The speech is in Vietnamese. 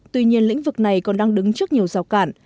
tuy nhiên lĩnh vực này còn đang đứng trước nhiều rào cản